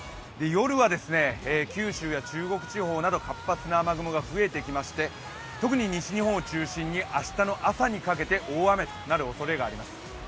夜は九州や中国地方など活発な雨雲が増えてきまして、特に西日本を中心に明日の朝にかけて大雨となるおそれがあります。